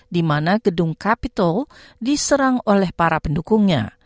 di mana gedung capitol diserang oleh para pendukungnya